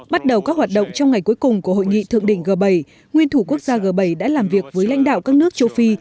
bắt đầu các hoạt động trong ngày cuối cùng của hội nghị thượng đỉnh g bảy nguyên thủ quốc gia g bảy đã làm việc với lãnh đạo các nước châu phi